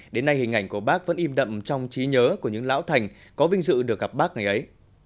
đến nay hình ảnh của bác vẫn im đậm trong trí nhớ của những lão thành có vinh dự được gặp bác ngày ấy